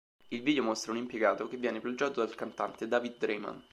Il video mostra un impiegato che viene plagiato dal cantante, David Draiman.